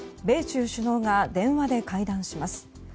米中首脳が電話で会談します。